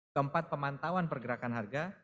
keempat pemantauan pergerakan harga